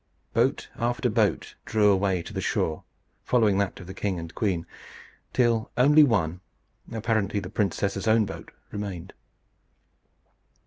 Boat after boat drew away to the shore, following that of the king and queen, till only one, apparently the princess's own boat, remained.